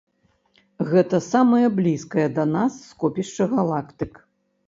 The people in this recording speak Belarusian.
Гэта самае блізкае да нас скопішча галактык.